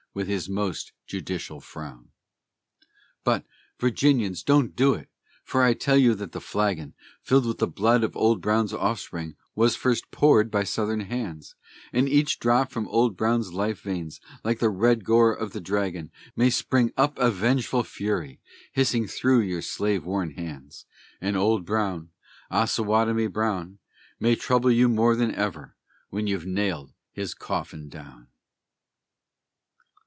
with his most judicial frown. But, Virginians, don't do it! for I tell you that the flagon, Filled with blood of Old Brown's offspring, was first poured by Southern hands; And each drop from Old Brown's life veins, like the red gore of the dragon, May spring up a vengeful Fury, hissing through your slave worn lands! And Old Brown, Osawatomie Brown, May trouble you more than ever, when you've nailed his coffin down!